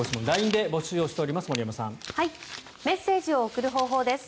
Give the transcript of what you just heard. ＬＩＮＥで募集をしております。